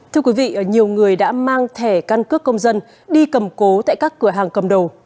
thưa quý vị nhiều người đã mang thẻ căn cước công dân đi cầm cố tại các cửa hàng cầm đồ